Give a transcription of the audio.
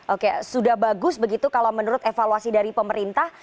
oke sudah bagus begitu kalau menurut evaluasi dari pemerintah